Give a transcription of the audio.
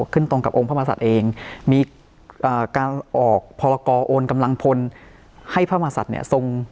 ขึ้นตรงกับองค์พระมหาศัตริย์เองมีการออกพรกรโอนกำลังพลให้พระมหาศัตริย์เนี่ยทรง